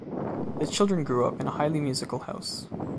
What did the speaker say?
The children grew up in a highly musical house.